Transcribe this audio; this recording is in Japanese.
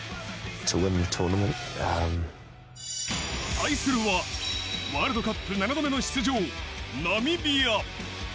対するはワールドカップ７度目の出場、ナミビア。